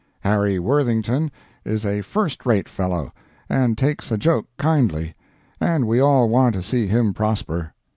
Harry Worthington is a first rate fellow, and takes a joke kindly, and we all want to see him prosper.